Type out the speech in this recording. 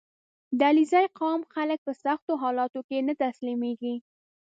• د علیزي قوم خلک په سختو حالاتو کې نه تسلیمېږي.